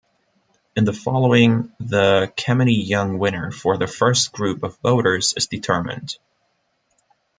In the following the Kemeny-Young winner for the first group of voters is determined.